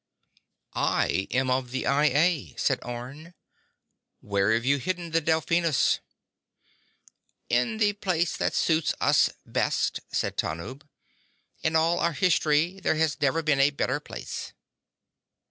"I am of the I A," said Orne. "Where've you hidden the Delphinus?" "In the place that suits us best," said Tanub. "In all our history there has never been a better place."